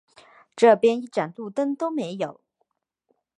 这边一盏路灯都没有